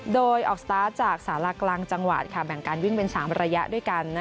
โดยออกสตาร์ทจากสารากลางจังหวัดแบ่งการวิ่งเป็น๓ระยะด้วยกัน